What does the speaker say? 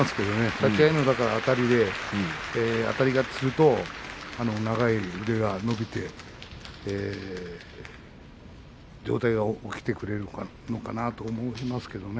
立ち合いのあたりであたり勝ちするとあの長い腕が伸びて上体が起きてくれるのかなと思いますけどね。